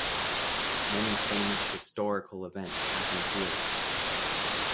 Many famous historical events happened here.